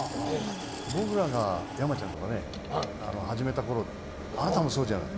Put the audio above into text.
僕らが山ちゃんとか始めたころあなたもそうじゃない。